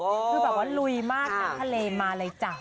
ลูกที่แบบฮ่าลุยมากทะเลมาเลยจ้ะ